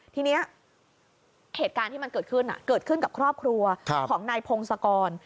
ทีนี้เหตุการณ์ที่มันเกิดขึ้นเกิดขึ้นกับครอบครัวของนายพงศกร